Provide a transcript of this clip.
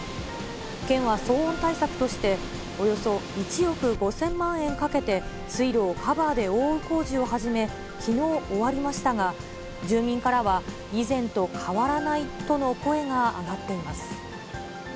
県は騒音対策として、およそ１億５０００万円かけて、水路をカバーで覆う工事を始め、きのう終わりましたが、住民からは以前と変わらないとの声が上がっています。